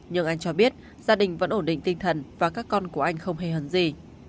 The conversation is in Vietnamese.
nhưng anh cho biết gia đình vẫn ổn định tinh thần và các con của anh không hề hấn gì